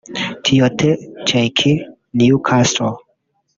Tiote Cheick (Newcastle)